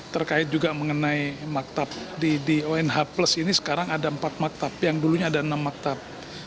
terkait juga mengenai maktab di onh plus ini sekarang ada empat maktab yang dulunya ada enam maktab